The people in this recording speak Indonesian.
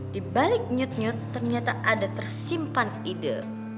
di balik nyut nyut ternyata ada tersimpan ide